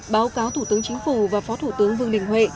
báo cáo thủ tướng chính phủ và phó thủ tướng vương đình huệ